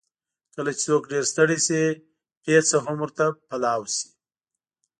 کله چې څوک ډېر ستړی شي، پېڅه هم ورته پلاو شي.